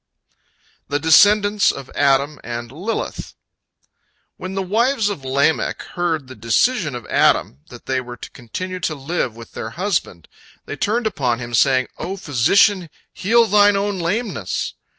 THE DESCENDANTS OF ADAM AND LILITH When the wives of Lamech heard the decision of Adam, that they were to continue to live with their husband, they turned upon him, saying, "O physician, heal thine own lameness!"